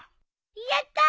やったー！